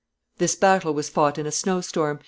This battle was fought in a snow storm.